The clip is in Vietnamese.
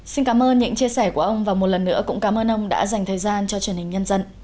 xin cảm ơn những chia sẻ của ông và một lần nữa cũng cảm ơn ông đã dành thời gian cho truyền hình nhân dân